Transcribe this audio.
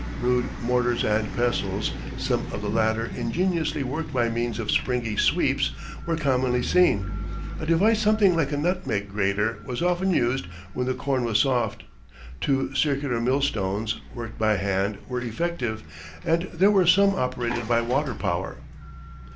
Rude mortars and pestles, some of the latter ingeniously worked by means of springy "sweeps," were commonly seen; a device something like a nutmeg grater was often used when the corn was soft; two circular millstones, worked by hand, were effective, and there were some operated by water power.